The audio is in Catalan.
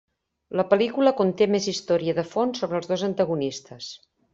La pel·lícula conté més història de fons sobre els dos antagonistes.